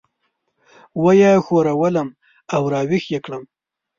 وه یې ښورولم او راويښ یې کړم.